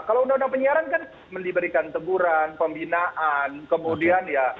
kalau undang undang penyiaran kan diberikan teguran pembinaan kemudian ya